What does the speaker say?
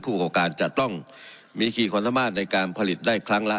ประกอบการจะต้องมีขี่ความสามารถในการผลิตได้ครั้งละ